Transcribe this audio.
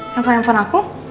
ngapain handphone aku